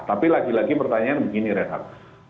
tapi lagi lagi pertanyaan begini rehat